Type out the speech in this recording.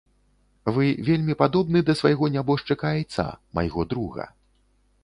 Вы вельмі падобны да свайго нябожчыка айца, майго друга.